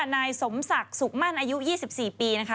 นายสมศักดิ์สุขมั่นอายุ๒๔ปีนะคะ